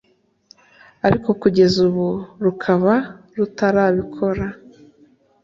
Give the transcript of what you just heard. ariko kugeza ubu rukaba rutarabikora